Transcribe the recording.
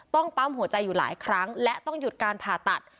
ปั๊มหัวใจอยู่หลายครั้งและต้องหยุดการผ่าตัด